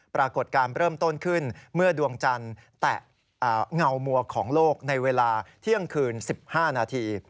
ปรากฏการณ์เริ่มต้นขึ้นเมื่อดวงจันทร์แตะเงามัวของโลกในเวลาเที่ยงคืน๑๕นาที